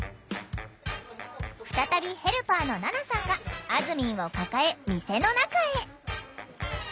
再びヘルパーの菜奈さんがあずみんを抱え店の中へ。